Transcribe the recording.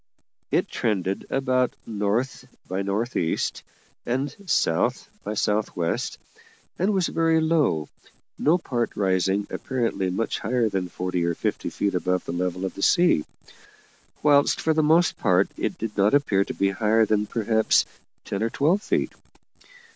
It trended about north north east and south south west, and was very low, no part rising apparently much higher than forty or fifty feet above the level of the sea; whilst for the most part it did not appear to be higher than perhaps ten or twelve feet.